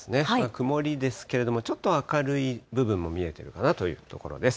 曇りですけれども、ちょっと明るい部分も見えているかなというところです。